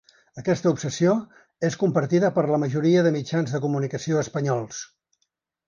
Aquesta obsessió és compartida per la majoria de mitjans de comunicació espanyols.